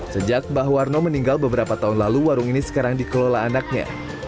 sejak mbah warno meninggal beberapa tahun lalu warung ini sekarang dikelola anaknya